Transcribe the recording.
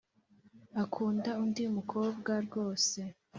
akunda undi mukobwa rwose.